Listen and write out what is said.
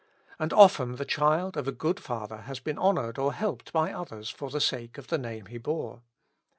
And often the child of a good father has been honored or helped by others for the sake of the name he bore.